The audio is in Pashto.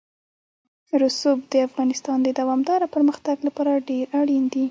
رسوب د افغانستان د دوامداره پرمختګ لپاره ډېر اړین دي.